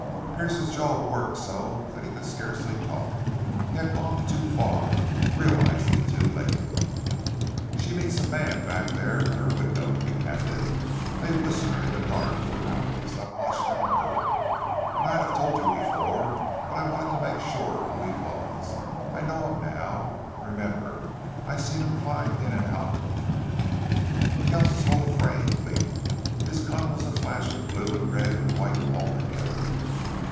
Pearce's jaw worked so that he could scarcely talk. He had gone too far realized it too late. "She meets a man back there at her window," he panted. "They whisper in the dark for hours. I've watched an' heard them. An' I'd told you before, but I wanted to make sure who he was.... I know him now!... An' remember I seen him climb in an' out " Kells's whole frame leaped. His gun was a flash of blue and red and white all together.